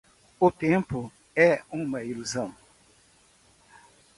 O tempo é uma ilusão.